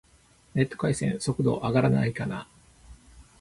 ネット回線、速度上がらないかな